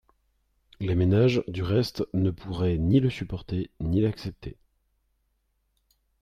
Les ménages, du reste, ne pourraient ni le supporter, ni l’accepter.